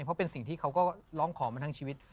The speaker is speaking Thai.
เพราะเป็นสิ่งที่เขาก็ร้องขอมาทั้งชีวิต